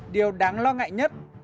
điều đáng lo ngại nhất